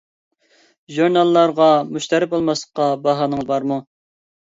ژۇرناللارغا مۇشتەرى بولماسلىققا باھانىڭىز بارمۇ؟